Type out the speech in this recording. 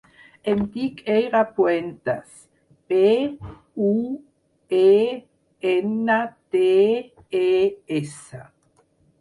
Em dic Eira Puentes: pe, u, e, ena, te, e, essa.